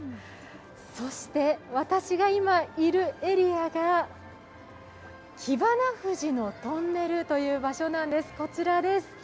そして私が今、いるエリアがきばな藤のトンネルという場所なんです。